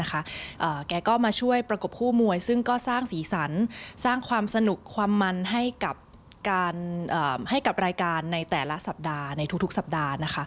แกก็มาช่วยประกบคู่มวยซึ่งก็สร้างสีสันสร้างความสนุกความมันให้กับรายการในแต่ละสัปดาห์ในทุกสัปดาห์